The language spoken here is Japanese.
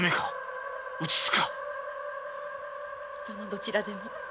そのどちらでも。